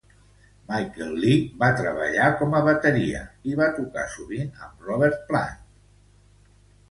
Michael Lee va treballar com a bateria, i va tocar sovint amb Robert Plant.